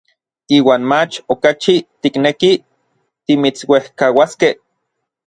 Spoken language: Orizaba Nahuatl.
Iuan mach okachi tiknekij timitsuejkauaskej.